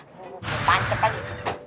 aduh gue pancep aja